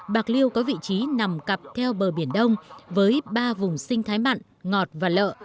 bạc liêu có vị trí nằm cặp theo bờ biển đông với ba vùng sinh thái mặn ngọt và lợ